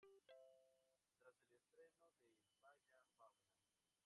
Tras el estreno de "¡Vaya fauna!